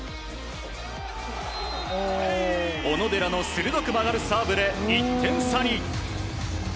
小野寺の鋭く曲がるサーブで１点差に。